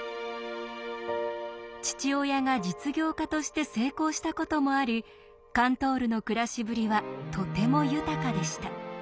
父親が実業家として成功したこともありカントールの暮らしぶりはとても豊かでした。